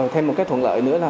thêm một cái thuận lợi nữa là